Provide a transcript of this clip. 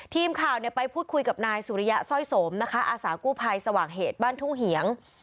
ทีมข่าวไปพูดคุยกับนายสุริยะสร้อยสมนะคะอาสากู้ภัยสว่างเหตุบ้านทุ่งเหียง